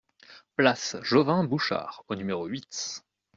Place Jovin Bouchard au numéro huit